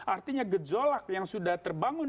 artinya gejolak yang sudah terbangun